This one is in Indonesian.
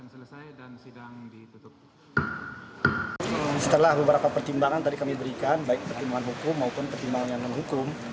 setelah beberapa pertimbangan tadi kami berikan baik pertimbangan hukum maupun pertimbangan hukum